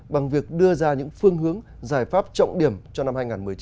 bằng việc đưa ra những phương hướng giải pháp trọng điểm cho năm hai nghìn một mươi chín